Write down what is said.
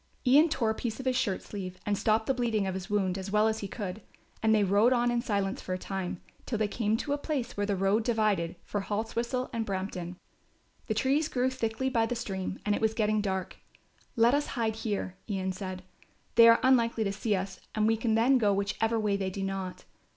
Ian tore a piece off his shirt sleeve and stopped the bleeding of his wound as well as he could, and they rode on in silence for a time, till they came to the place where the road divided for Haltwhistle and Brampton. The trees grew thickly by the stream and it was getting dark. "Let us hide here," Ian said. "They are unlikely to see us and we can then go whichever way they do not.